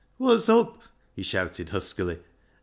" Wot's up ?" he shouted huskily.